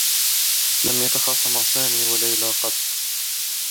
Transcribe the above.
لم يتخاصما سامي و ليلى قطّ.